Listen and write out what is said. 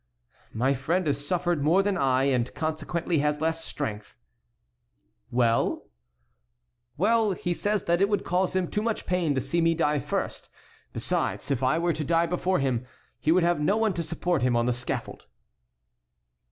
"My friend has suffered more than I and consequently has less strength"— "Well?" "Well, he says that it would cause him too much pain to see me die first. Besides, if I were to die before him he would have no one to support him on the scaffold."